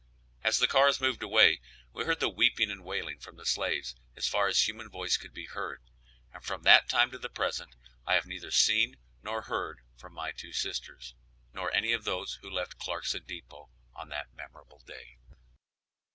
As the cars moved away we heard the weeping and wailing from the slaves as far as human voice could be heard; and from that time to the present I have neither seen nor heard from my two sisters, nor any of those who left Clarkson depot on that memorable day.